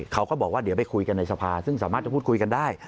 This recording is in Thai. เขาก็บอกว่าเดี๋ยวไปคุยกันในสภาซึ่งสามารถจะพูดคุยกันได้